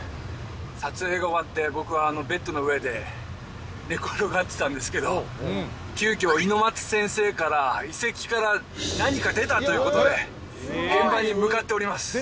撮影が終わって僕はベッドの上で寝転がってたんですけど急きょ猪俣先生から遺跡から何か出たということで現場に向かっております